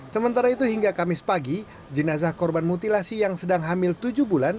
sementara itu hingga kamis pagi jenazah korban mutilasi yang sedang hamil tujuh bulan